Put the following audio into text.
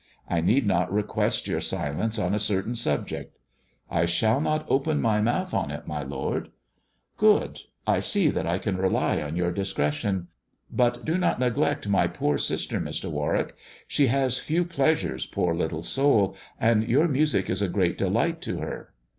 I need not request your silence on a certain subject." " I shall not open my mouth on it, my lord." " Good ! I see that I can rely on your discretion. But do not neglect my poor sister, Mr. Warwick. She has few pleasures, poor little soul, and your music is a great delight to her.